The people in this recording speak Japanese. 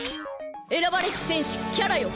選ばれし戦士キャラよ！